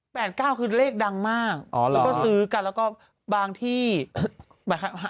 แปดห้าคือเลขดังมากอ๋อแล้วก็ซื้อกันแล้วก็บางที่หรือว่า